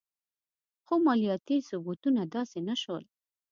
خو مالیاتي ثبتونه داسې نه شول.